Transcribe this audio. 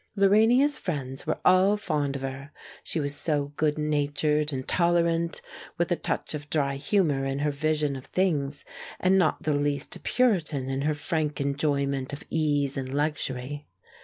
Lorania's friends were all fond of her, she was so good natured and tolerant, with a touch of dry humor in her vision of things, and not the least a Puritan in her frank enjoyment of ease and luxury.